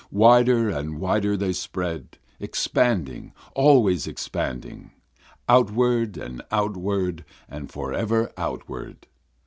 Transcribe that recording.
Wider and wider they spread, expanding, always expanding, Outward and outward and forever outward.